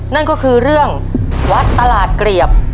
นั่นก็คือเรื่องวัดตลาดเกลียบ